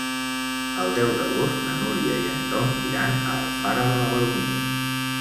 El deu d'agost na Núria i en Tom iran a Alfara de la Baronia.